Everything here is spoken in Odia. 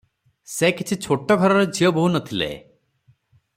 ସେ କିଛି ଛୋଟ ଘରର ଝିଅ ବୋହୂ ନ ଥିଲେ ।